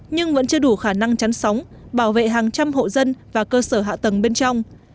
nhưng vẫn chưa đủ khả năng chắn sóng bảo vệ hàng trăm hộ dân và cơ sở hạ tầng bên trong